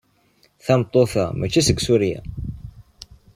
Tameṭṭut-a mačči seg Surya.